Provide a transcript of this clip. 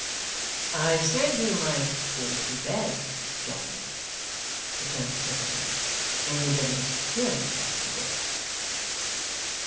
'I said you might go to bed, John,' returned the secretary. 'You didn't hear me, I think.